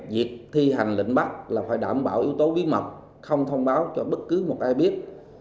việc thi hành lệnh bắt là phải đảm bảo yếu tố bí mật không thông báo cho bất cứ một ai biết